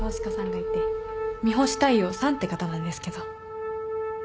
三星大陽さんって方なんですけど